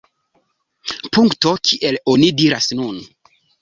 Punkto, kiel oni diras nun!